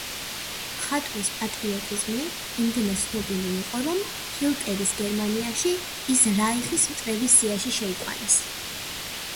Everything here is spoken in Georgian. მხატვრის პატრიოტიზმი იმდენად ცნობილი იყო, რომ ჰიტლერის გერმანიაში ის რაიხის მტრების სიაში შეიყვანეს.